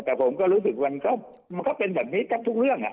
แต่ผมก็รู้สึกว่ามันก็มันก็เป็นแบบนี้กับทุกเรื่องนะ